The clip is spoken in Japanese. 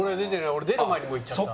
俺出る前にもう行っちゃった。